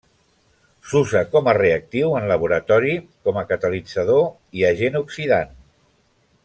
S’usa com a reactiu en laboratori com a catalitzador i agent oxidant.